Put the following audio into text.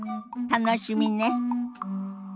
楽しみね。